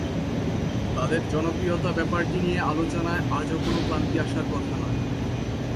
তাঁদের জনপ্রিয়তা ব্যাপারটি নিয়ে আলোচনায় আজও কোনো ক্লান্তি আসার কথা নয়।